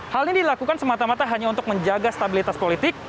hal ini dilakukan semata mata hanya untuk menjaga stabilitas politik